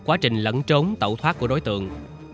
quá trình lẫn trốn tẩu thoát của đối tượng